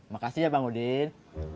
makasih ya bang udin